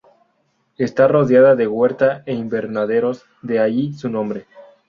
Está rodeada de huerta e invernaderos, de ahí su nombre.